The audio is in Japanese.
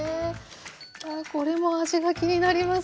あこれも味が気になります。